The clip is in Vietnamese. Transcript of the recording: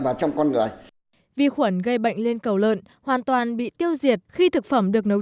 vào trong con người vi khuẩn gây bệnh lên cầu lợn hoàn toàn bị tiêu diệt khi thực phẩm được nấu